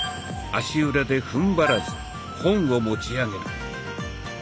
足裏でふんばらず本を持ち上げる。